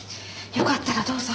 よかったらどうぞ。